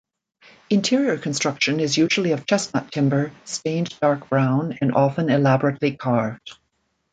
Interior construction is usually of chestnut timber, stained dark brown and often elaborately carved.